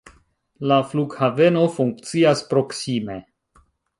La flughaveno funkcias proksime.